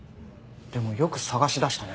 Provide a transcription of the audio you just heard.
でもよく捜し出したね。